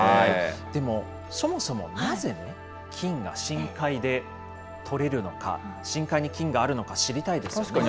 でも、そもそもなぜね、金が深海で取れるのか、深海に金があるのか知りたいですよね。